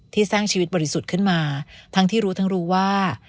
สร้างชีวิตบริสุทธิ์ขึ้นมาทั้งที่รู้ทั้งรู้ว่า